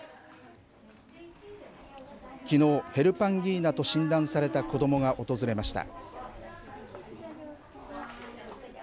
きのう、ヘルパンギーナと診断された子どもが訪れました。